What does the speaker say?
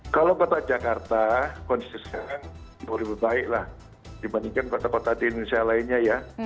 kalau kota jakarta konstitusinya lebih baik lah dibandingkan kota kota di indonesia lainnya ya